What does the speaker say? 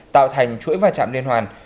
tạo thành chuỗi và chạm liên hoàn